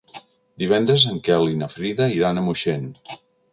Divendres en Quel i na Frida iran a Moixent.